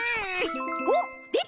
おっでた！